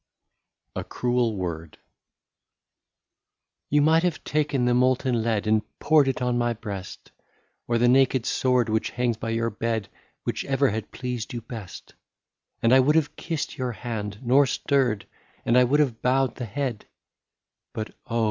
86 A CRUEL WORD. ' You might have taken the molten lead, And poured it on my breast ; Or the naked sword which hangs by your bed Whichever had pleased you best ;" And I would have kissed your hand, nor stirred, And I would have bowed the head, — But oh